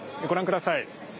ご覧ください。